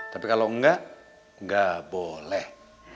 tapi kalau enggak enggak boleh